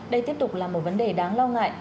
đây tiếp tục là một vấn đề đáng lo ngại